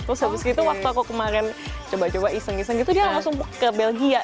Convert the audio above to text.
terus habis gitu waktu aku kemarin coba coba iseng iseng gitu dia langsung ke belgia